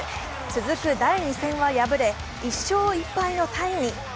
続く第２戦は敗れ、１勝１敗のタイに。